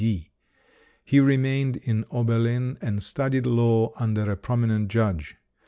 D." He remained in Oberlin and studied law under a prominent judge.